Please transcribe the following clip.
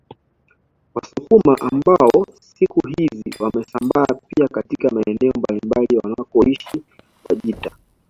Wasukuma ambao siku hizi wamesambaa pia katika maeneo mbalimbali wanakoishi Wajita